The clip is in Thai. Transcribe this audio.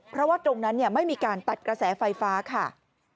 เพราะว่าตรงนั้นไม่มีการตัดกระแสไฟฟ้าค่ะ